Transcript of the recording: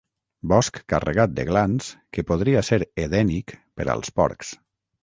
Bosc carregat de glans que podria ser edènic per als porcs.